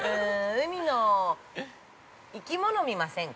◆海の生き物、見ませんか？